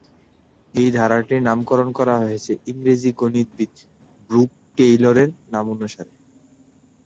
এ ধারাটির নামকরণ করা হয়েছে ইংরেজ গণিতবিদ ব্রুক টেইলরের নামানুসারে।